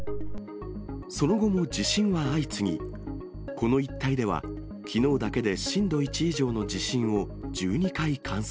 その後も地震は相次ぎ、この一帯では、きのうだけで震度１以上の地震を１２回観測。